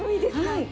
はい。